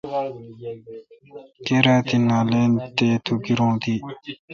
کیر تی نالان تے تو گیرو تی۔